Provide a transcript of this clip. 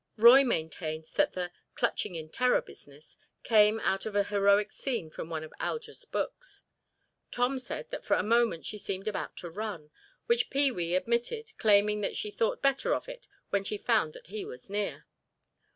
Roy maintained that the "clutching in terror business" came out of a heroic scene from one of Alger's books. Tom said that for a moment she seemed about to run, which Pee wee admitted, claiming that she thought better of it when she found that he was near.